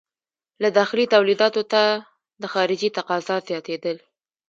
له داخلي تولیداتو ته د خارجې تقاضا زیاتېدل.